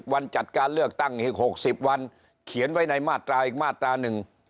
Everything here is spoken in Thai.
วันจัดการเลือกตั้งอีก๖๐วันเขียนไว้ในมาตราอีกมาตราหนึ่ง